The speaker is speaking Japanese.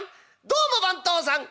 どうも番頭さん。